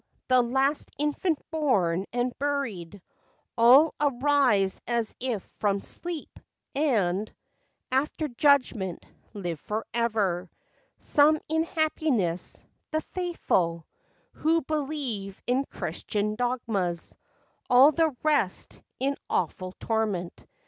93 The last infant born and buried; All arise as if from sleep, and— After judgment—live forever ! Some in happiness—the faithful Who believe in Christian dogmas— All the rest in awful torment.